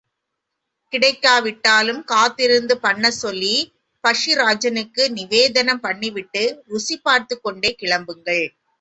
கிடைக்காவிட்டாலும், காத்திருந்து பண்ணச் சொல்லி, பக்ஷிராஜனுக்கு நிவேதனம் பண்ணிவிட்டு, ருசிபார்த்துவிட்டே கிளம்புங்கள்.